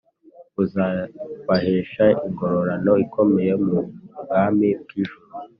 buzabahesha ingororano ikomeye mubwami bwijuru